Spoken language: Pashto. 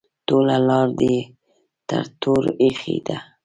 ټوله لار دې ټر ټور ایښی ده.